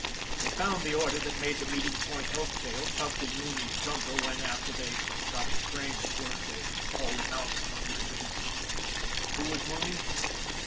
They found the order that made the meeting point Elktail tucked in Mooney's jumper when, after they got the crane at work, they hauled him out from under his engine. Who was Mooney?